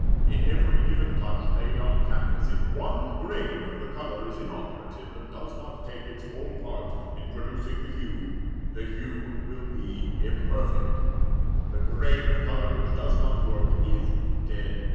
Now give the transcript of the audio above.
In every given touch laid on canvas, if one grain of the colour is inoperative, and does not take its full part in producing the hue, the hue will be imperfect. The grain of colour which does not work is dead.